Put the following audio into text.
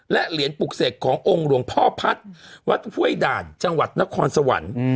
และเหรียญปลูกเสกขององค์หลวงพ่อพัฒน์วัดห้วยด่านจังหวัดนครสวรรค์